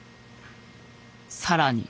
更に。